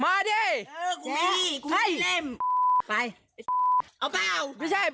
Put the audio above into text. ไม่ใช่เค้นเลวพี่จะบอกคุณเพื่อนอะไร